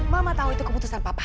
mama tahu itu keputusan papa